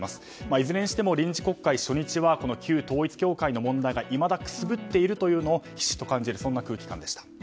いずれにしても臨時国会初日は旧統一教会の問題がいまだくすぶっているというのをひしひしと感じる空気感でした。